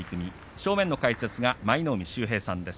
正面の解説は舞の海秀平さんです。